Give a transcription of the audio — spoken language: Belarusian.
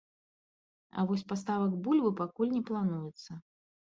А вось паставак бульбы пакуль не плануецца.